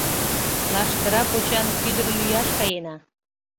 Лаштыра почан кӱдыр лӱяш каена.